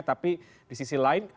tapi di sisi lain